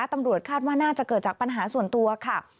ตำรวจคาดว่าน่าจะเกิดจากปัญหาส่วนตัวค่ะ